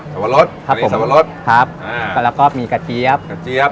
สวรรค์รถครับผมอันนี้สวรรค์รถครับอ่าแล้วก็มีกระเจี๊ยบกระเจี๊ยบ